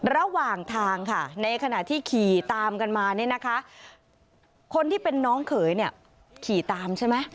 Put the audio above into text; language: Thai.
ระหว่างทางค่ะในขณะที่ขี่ตามกันมาเนี่ยนะคะคนที่เป็นน้องเขยเนี่ยขี่ตามใช่ไหม